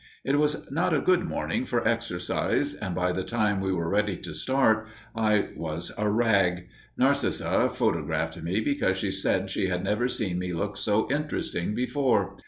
It was not a good morning for exercise; and by the time we were ready to start, I was a rag. Narcissa photographed me, because she said she had never seen me look so interesting before.